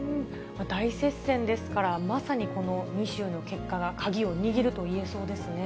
大接戦ですから、まさにこの２州の結果が鍵を握るといえそうですね。